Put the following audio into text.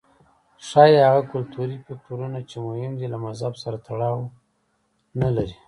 ښايي هغه کلتوري فکټورونه چې مهم دي له مذهب سره تړاو نه لري.